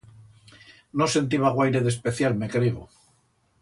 No sentiba guaire d'especial, me creigo.